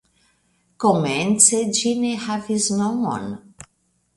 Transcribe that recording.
Komence ĝi ne havis nomon.